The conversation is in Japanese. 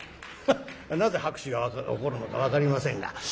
なぜ拍手が起こるのか分かりませんが。